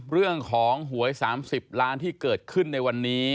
เรื่องของหวย๓๐ล้านที่เกิดขึ้นในวันนี้